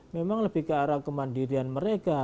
memang lebih ke arah kemandirian mereka